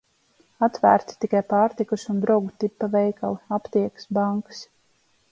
Atvērti tikai pārtikas un "Drogu" tipa veikali, aptiekas, bankas.